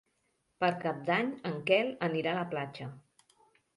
Per Cap d'Any en Quel anirà a la platja.